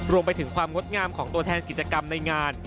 รวมไปถึงความงดงามของตัวแทนกิจกรรมในงาน